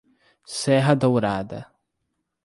Serra Dourada